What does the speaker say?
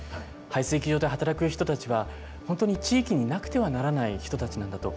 排水機場で働く人たちは、本当に地域になくてはならない人たちなんだと。